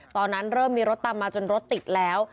ตอนนั้นเริ่มมีรถตามมาจนรถติดแล้ว